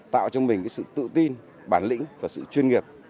tạo cho mình sự tự tin bản lĩnh và sự chuyên nghiệp